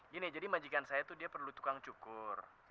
gini jadi majikan saya tuh dia perlu tukang cukur